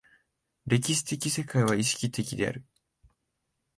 歴史的世界は意識的である。